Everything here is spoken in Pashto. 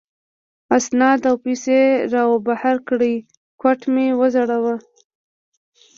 اسناد او پیسې را وبهر کړې، کوټ مې و ځړاوه.